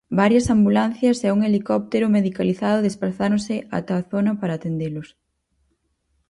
Varias ambulancias e un helicóptero medicalizado desprazáronse ata a zona para atendelos.